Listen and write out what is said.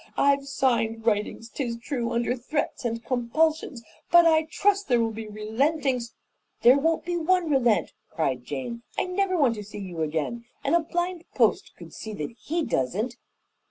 I've signed writings, 'tis true, under threats and compulsions; but I trust there will be relentings " "There won't be one relent!" cried Jane. "I never want to see you again, and a blind post could see that he doesn't."